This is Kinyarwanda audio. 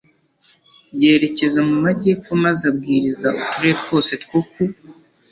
yerekeza mu majyepfo maze abwiriza uturere twose two ku